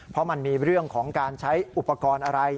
เพราะมันมีเรื่องของการใช้อุปกรณ์อะไร